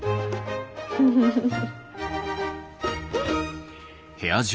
フフフフ。